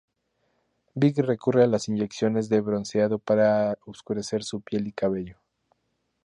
Big recurre a las inyecciones de bronceado para oscurecer su piel y cabello.